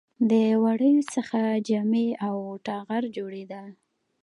د وړیو څخه جامې او ټغر جوړیدل